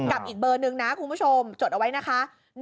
กับอีกเบอร์หนึ่งนะคุณผู้ชมจดเอาไว้นะคะ